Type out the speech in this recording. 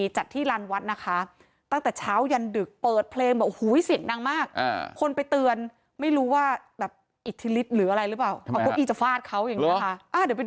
จี๊วดีจัดคร่าศตรงในหรือครับ